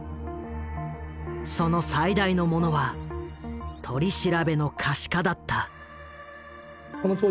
その最大のものは取り調べの可視化だった。